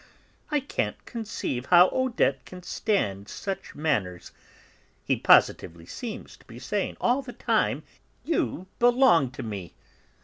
I can't conceive how Odette can stand such manners. He positively seems to be saying, all the time, 'You belong to me!'